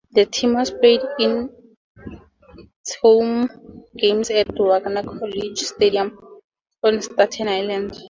The team played its home games at Wagner College Stadium on Staten Island.